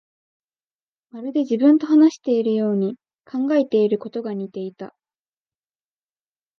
まるで自分と話しているように、考えていることが似ていた